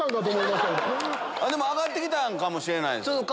でも上がってきたかもしれない。